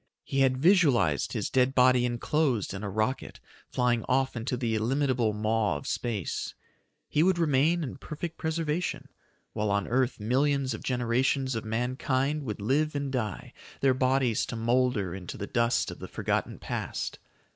He had visualized his dead body enclosed in a rocket flying off into the illimitable maw of space. He would remain in perfect preservation, while on earth millions of generations of mankind would live and die, their bodies to molder into the dust of the forgotten past.